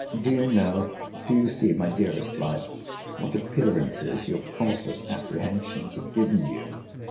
Do you know, do you see, my dearest life, what appearances your causeless apprehensions have given you?